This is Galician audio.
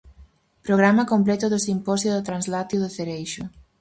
Programa completo do simposio da translatio de Cereixo.